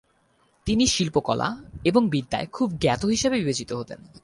তিনি শিল্পকলা এবং বিদ্যায় খুব জ্ঞাত হিসাবে বিবেচিত হতেন।